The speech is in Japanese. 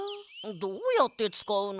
どうやってつかうの？